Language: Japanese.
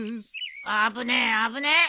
危ねえ危ねえ。